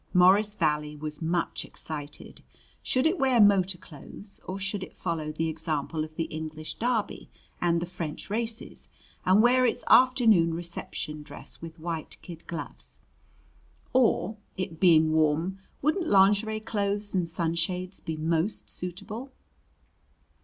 Morris Valley was much excited. Should it wear motor clothes, or should it follow the example of the English Derby and the French races and wear its afternoon reception dress with white kid gloves? Or it being warm wouldn't lingerie clothes and sunshades be most suitable?